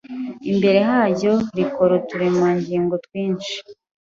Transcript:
imbere haryo rikora uturemangingo twinshi,